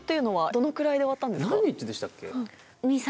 何日でしたっけ？